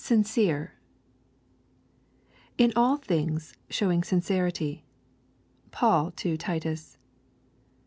SINCERE 'In all things showing sincerity.' Paul to Titus.